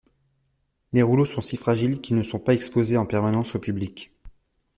Les rouleaux sont si fragiles qu'ils ne sont pas exposés en permanence au public.